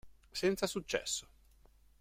Senza successo.